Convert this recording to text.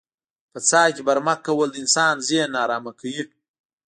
په څاه کې برمه کول د انسان ذهن نا ارامه کوي.